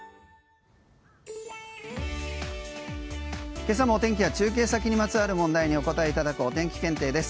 今朝のお天気は中継先にまつわる問題にお答えいただくお天気検定です。